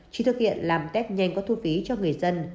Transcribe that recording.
chỉ thực hiện làm test nhanh có thu phí cho người dân